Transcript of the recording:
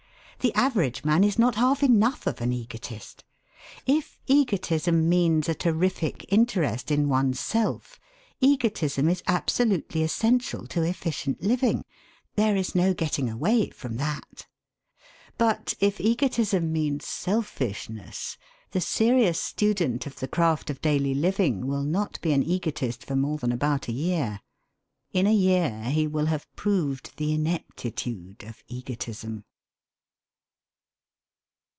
The average man is not half enough of an egotist. If egotism means a terrific interest in one's self, egotism is absolutely essential to efficient living. There is no getting away from that. But if egotism means selfishness, the serious student of the craft of daily living will not be an egotist for more than about a year. In a year he will have proved the ineptitude of egotism.